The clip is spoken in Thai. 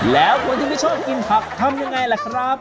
แล้วคนที่ไม่ชอบกินผักทำยังไงล่ะครับ